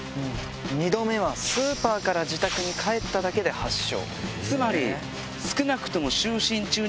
２度目はスーパーから自宅に帰っただけで発症。